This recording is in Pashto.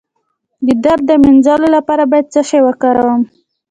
د درد د مینځلو لپاره باید څه شی وکاروم؟